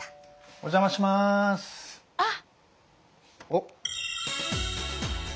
おっ。